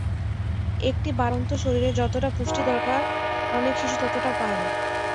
একটি বাড়ন্ত শরীরে যতটা পুষ্টি দরকার অনেক শিশু ততটা পায় না।